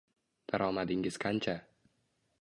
Daromadingiz qancha?